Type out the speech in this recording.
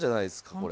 これ。